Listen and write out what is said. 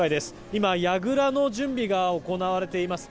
今、やぐらの準備が行われています。